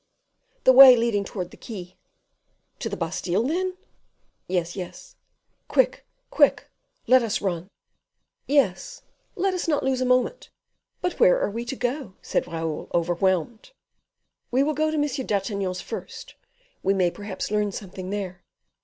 "The way leading towards the quay." "To the Bastile, then?" "Yes, yes." "Quick, quick; let us run." "Yes, let us not lose a moment." "But where are we to go?" said Raoul, overwhelmed. "We will go to M. d'Artagnan's first, we may perhaps learn something there."